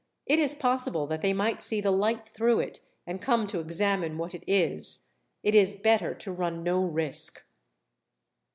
It is possible that they might see the light through it, and come to examine what it is. It is better to run no risk."